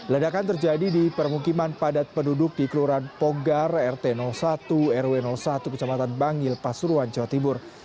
ledakan terjadi di permukiman padat penduduk di kelurahan pogar rt satu rw satu kecamatan bangil pasuruan jawa timur